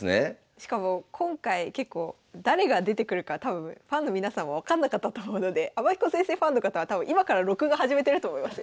しかも今回結構誰が出てくるか多分ファンの皆さんも分かんなかったと思うので天彦先生ファンの方は多分今から録画始めてると思いますよ。